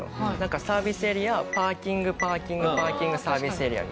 サービスエリアパーキングパーキングパーキングサービスエリアみたいな。